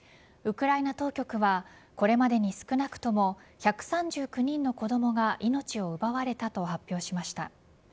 ウクライナ当局はこれまでに少なくとも１３９人の子供が命を奪われたと発表しました。